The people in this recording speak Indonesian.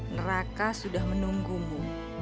neraka sudah menunggumu